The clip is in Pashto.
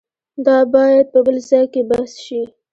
دا باید په بل ځای کې بحث شي.